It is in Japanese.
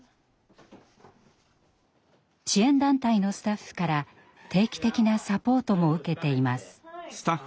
支援団体のスタッフから定期的なサポートも受けています。